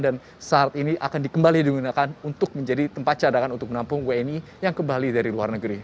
dan saat ini akan dikembali digunakan untuk menjadi tempat cadangan untuk menampung wni yang kembali dari luar negeri